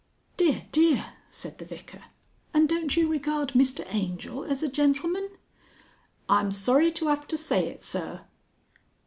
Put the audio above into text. "Dear, dear!" said the Vicar. "And don't you regard Mr Angel as a gentleman?" "I'm sorry to 'ave to say it, sir."